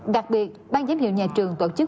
đặc biệt ban giám hiệu nhà trường tổ chức